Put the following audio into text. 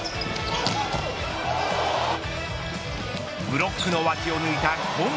ブロックの脇を抜いたこん